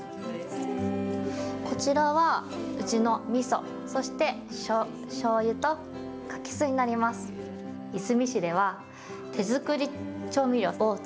こちらはうちのみそ、そしてしょうゆと柿酢になります。